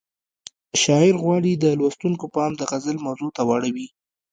شاعر غواړي د لوستونکو پام د غزل موضوع ته واړوي.